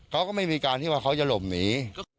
เขาก็ไม่มีการที่ว่าเขาจะหลบหนี